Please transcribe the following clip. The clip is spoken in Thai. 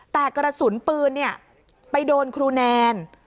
แต่กระสุนปืนไปโดนครูแนน